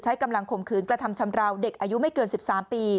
ใช้กำลังข่มขืนกระทำชำราวเด็กอายุไม่เกิน๑๓ปี